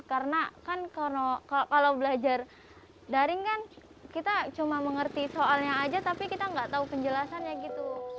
karena kan kalau belajar daring kan kita cuma mengerti soalnya aja tapi kita nggak tahu penjelasannya gitu